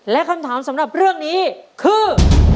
และคำถามสำหรับเรื่องนี้คือ